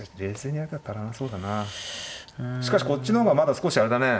しかしこっちの方がまだ少しあれだね。